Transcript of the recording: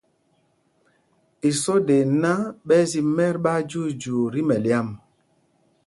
Isoda iná ɓɛ́ ɛ́ zi mɛ̄t ɓáájyuujyuu tí mɛlyam.